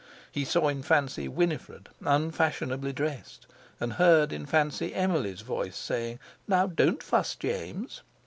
He saw in fancy Winifred unfashionably dressed, and heard in fancy Emily's voice saying: "Now, don't fuss, James!"